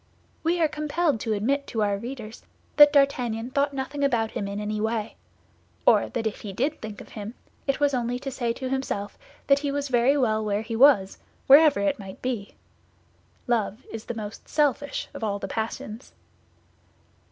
We are compelled to admit to our readers that D'Artagnan thought nothing about him in any way; or that if he did think of him, it was only to say to himself that he was very well where he was, wherever it might be. Love is the most selfish of all the passions.